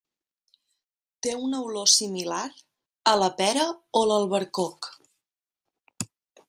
Té una olor similar a la pera o l'albercoc.